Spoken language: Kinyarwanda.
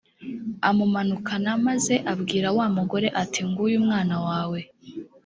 amumanukana maze abwira wa mugore ati nguyu umwana wawe